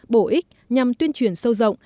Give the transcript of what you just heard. bổ ích nhằm tuyên truyền sâu rộng